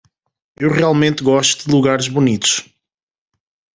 eu realmente gosto de lugares bonitos